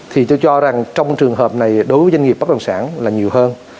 thì tôi cho rằng trong trường hợp này đối với doanh nghiệp bất đồng sản là nhiều hơn